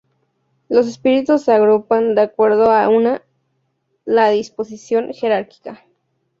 Los espíritus se agrupan de acuerdo a una la disposición jerárquica.